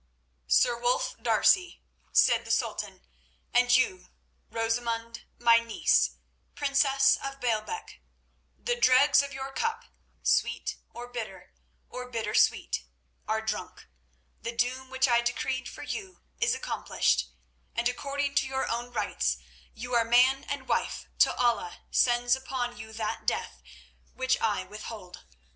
"Sir Wulf D'Arcy," said the Sultan, "and you, Rosamund, my niece, princess of Baalbec, the dregs of your cup, sweet or bitter, or bitter sweet, are drunk; the doom which I decreed for you is accomplished, and, according to your own rites, you are man and wife till Allah sends upon you that death which I withhold.